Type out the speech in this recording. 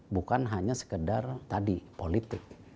bukan hanya sekedar tadi politik